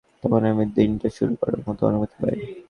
তখনই আমি দিনটা শুরু করার মতো অনুভূতি পাই।